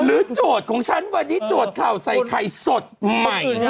โจทย์ของฉันวันนี้โจทย์ข่าวใส่ไข่สดใหม่